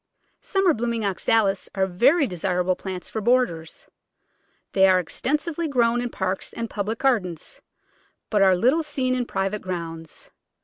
Summer blooming Oxalis are very desirable plants for borders. They are extensively grown in parks and public gardens, but are little seen in private grounds.